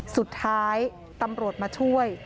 สุดท้ายตำรวจมาช่วย